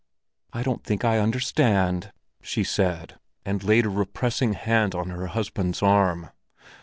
"I don't think I understand," she said, and laid a repressing hand upon her husband's arm.